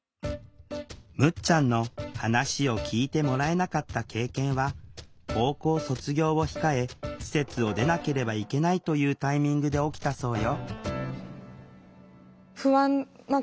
むっちゃんの話を聴いてもらえなかった経験は高校卒業を控え施設を出なければいけないというタイミングで起きたそうよ